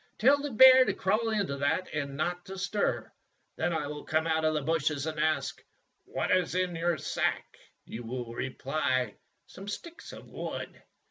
Tell the bear to crawl into that and not to stir. Then I will come out of the bushes and ask, 'What is in that sack?' "You will reply, 'Some sticks of wood.